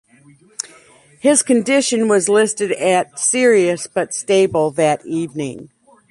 His condition was listed at serious but stable that evening.